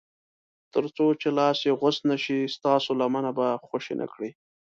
تر څو چې لاس یې غوڅ نه شي ستاسو لمنه به خوشي نه کړي.